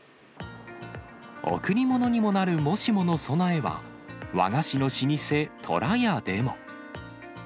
贈り物にもなるもしもの備えは、和菓子の老舗、とらやでも。